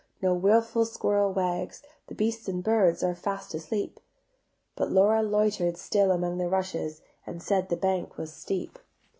No wilful squirrel wags, The beasts and birds are fast asleep." But Laura loiter'd still among the rushes And said the bank was steep.